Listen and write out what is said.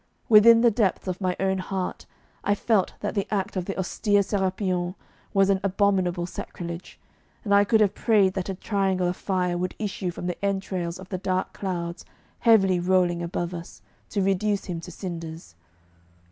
Within the depths of my own heart I felt that the act of the austere Sérapion was an abominable sacrilege; and I could have prayed that a triangle of fire would issue from the entrails of the dark clouds, heavily rolling above us, to reduce him to cinders.